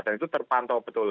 dan itu terpantau betul